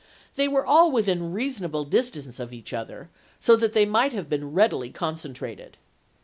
They were all within reasonable distance of each other, so that they might have been readily concentrated.